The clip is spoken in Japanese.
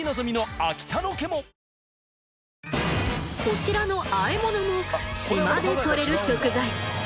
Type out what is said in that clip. こちらの和え物も島で獲れる食材。